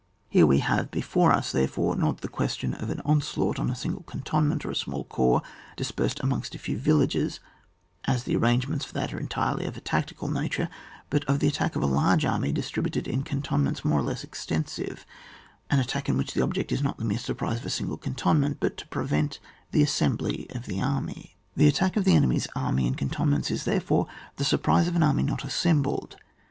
Here we have be fore us, therefore, not the question of an onslaught on a single cantonment or a small corps dispersed amongst a few vil lages, as the arrangements for that are entirely of a tactical nature, but of the attack of a large army, distributed in cantonments more or less extensive ; an attSick in which the object is not the mere surprise of a single cantonment, but to prevent the assembly of the army. The attack on an enemy's army in cantonments is therefore the surprise of an army not assembled.